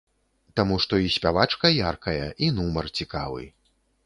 Таму што і спявачка яркая, і нумар цікавы.